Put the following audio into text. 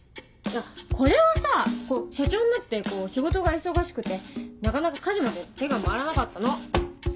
いやこれはさ社長になってこう仕事が忙しくてなかなか家事まで手が回らなかったの。